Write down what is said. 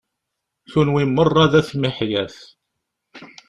Kunwi meṛṛa d at miḥyaf.